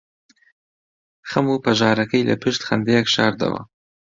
خەم و پەژارەکەی لەپشت خەندەیەک شاردەوە.